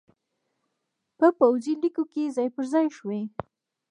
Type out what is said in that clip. په پوځي لیکو کې ځای پرځای شوي وو